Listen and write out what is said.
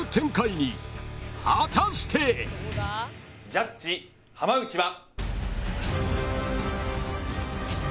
ジャッジ浜内は。